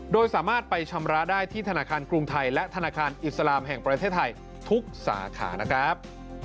โดยสามารถไปชำระได้ที่ธนาคารกรุงไทยและธนาคารอิสลามแห่งประเทศไทยทุกสาขานะครับ